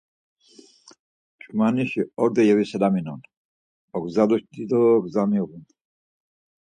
Ç̆umanişi ordo yeviselaminon, ogzaluşi dido gza miğun.